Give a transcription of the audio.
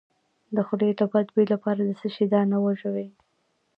د خولې د بد بوی لپاره د څه شي دانه وژويئ؟